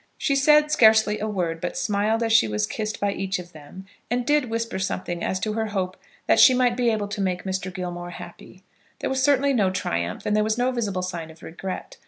She said scarcely a word, but smiled as she was kissed by each of them and did whisper something as to her hope that she might be able to make Mr. Gilmore happy. There was certainly no triumph; and there was no visible sign of regret.